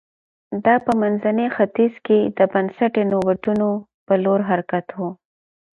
دا په منځني ختیځ کې د بنسټي نوښتونو په لور حرکت و